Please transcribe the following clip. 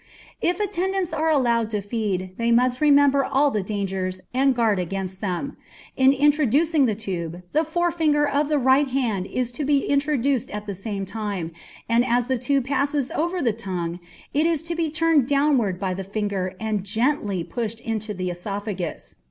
If attendants are allowed to feed, they must remember all the dangers, and guard against them. In introducing the tube, the forefinger of the right hand is to be introduced at the same time, and, as the tube passes over the tongue it is to be turned downward by the finger and gently pushed into the oesophagus.